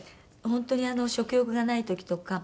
本当に食欲がない時とか。